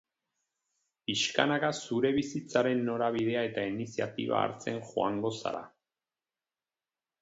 Pixkanaka zure bizitzaren norabidea eta iniziatiba hartzen joango zara.